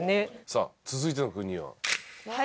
さあ続いての国は。